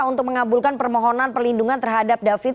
untuk mengabulkan permohonan perlindungan terhadap david